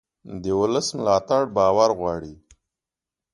د ولس ملاتړ باور غواړي